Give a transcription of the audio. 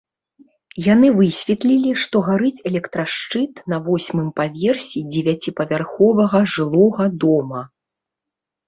Яны высветлілі, што гарыць электрашчыт на восьмым паверсе дзевяціпавярховага жылога дома.